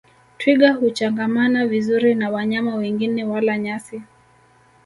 Twiga huchangamana vizuri na wanyama wengine wala nyasi